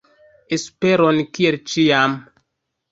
Esperon, kiel ĉiam!